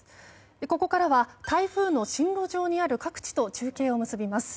ここからは台風の進路上にある各地と中継を結びます。